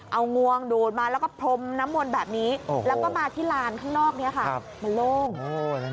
เอางวงดูดมาแล้วก็พรมน้ำมนต์แบบนี้แล้วก็มาที่ลานข้างนอกนี้ค่ะมันโล่ง